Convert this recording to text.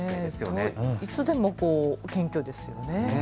いつでも謙虚ですよね。